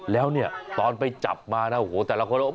แล้วเนี่ยตอนไปจับมานะโอ้โหแต่ละคน